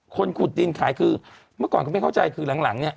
ขุดดินขายคือเมื่อก่อนก็ไม่เข้าใจคือหลังเนี่ย